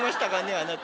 あなた。